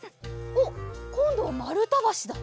おっこんどはまるたばしだ。